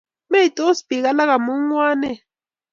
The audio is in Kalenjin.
Meitos bik alak amu ngwanet